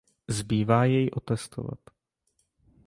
Zbývá jej otestovat.